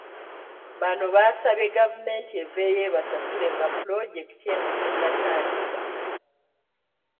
Bano basabye gavumenti eveeyo ebasasule nga ppuloojekiti eno tennatandika.